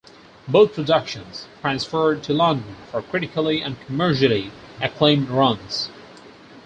Both productions transferred to London for critically and commercially acclaimed runs.